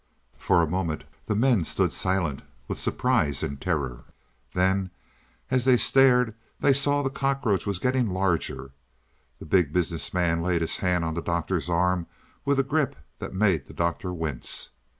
For a moment the men stood silent with surprise and terror. Then, as they stared they saw the cockroach was getting larger. The Big Business Man laid his hand on the Doctor's arm with a grip that made the Doctor wince.